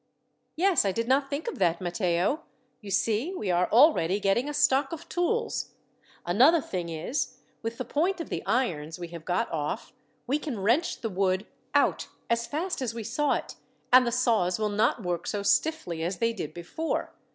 "Yes; I did not think of that, Matteo. You see we are already getting a stock of tools. Another thing is, with the point of the irons we have got off, we can wrench the wood out as fast as we saw it, and the saws will not work so stiffly as they did before.